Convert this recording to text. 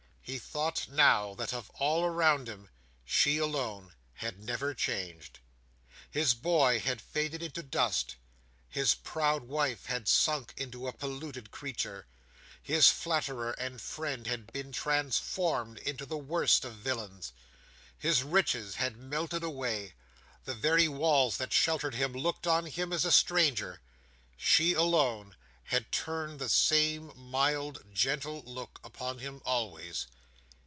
He thought, now, that of all around him, she alone had never changed. His boy had faded into dust, his proud wife had sunk into a polluted creature, his flatterer and friend had been transformed into the worst of villains, his riches had melted away, the very walls that sheltered him looked on him as a stranger; she alone had turned the same mild gentle look upon him always.